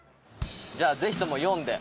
じゃあぜひとも「４」で。